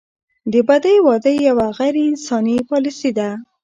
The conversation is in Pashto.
د بدۍ واده یوه غیر انساني پالیسي ده.